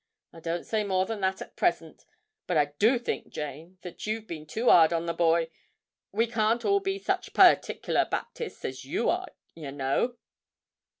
I don't say more than that at present. But I do think, Jane, that you've been too 'ard on the boy. We can't be all such partickler Baptists as you are, yer know!'